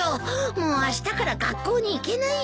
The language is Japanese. もうあしたから学校に行けないよ。